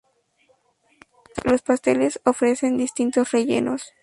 Los pasteles ofrecen distintos rellenos.